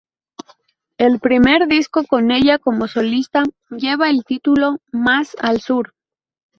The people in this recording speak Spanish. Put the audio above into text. El primer disco con ella como solista lleva el título "Más al sur".